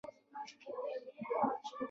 ترکیې ته ځي